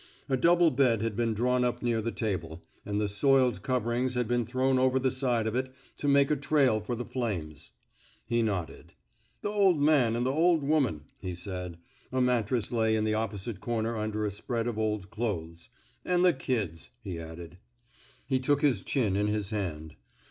A double bed had been drawn up near the table, and the soiled coverings had been thrown over the side of it to make a trail for the flames. He nodded. *' Th' or man an' th' oV woman,'' he said. A mattress lay in the opposite comer under a spread of old clothes. '* An' the kids," he added. He took his chin in his hand.